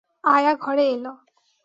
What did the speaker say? আয়া ঘরে এল।